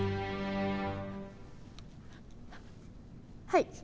はい。